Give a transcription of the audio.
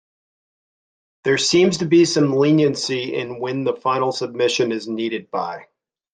There seems to be some leniency in when the final submission is needed by.